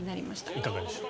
いかがでしょう。